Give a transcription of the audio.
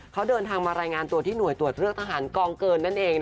เขาเดินทางมารายงานตัวที่หน่วยตรวจเลือกทหารกองเกินนั่นเอง